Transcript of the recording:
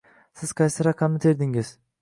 Siz qaysi raqamni terdingiz?